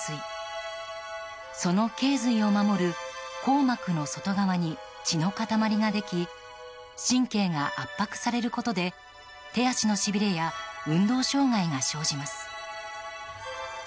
その頸髄を守る硬膜の外側に血の塊ができ神経が圧迫されることで手足のしびれや運動障害が生じます。